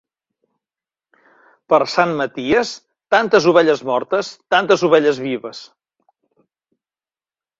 Per Sant Maties, tantes ovelles mortes, tantes ovelles vives.